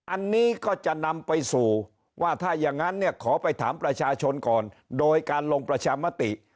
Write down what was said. อันนี้ก็จะนำไปสู่ว่าถ้าอย่างนั้นเนี่ยขอไปถามประชาชนก่อนโดยการลงประชามติ